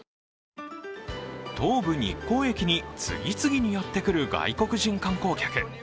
東武日光駅に次々にやってくる外国人観光客。